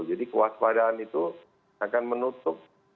jadi kewaspadaan itu akan menutup